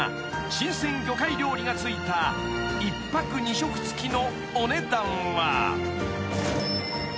新鮮魚介料理がついた１泊２食つきのお値段は］